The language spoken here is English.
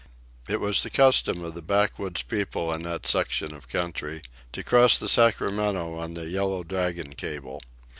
It was the custom of the backwoods people in that section of country to cross the Sacramento on the Yellow Dragon cable.